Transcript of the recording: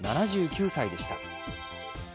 ７９歳でした。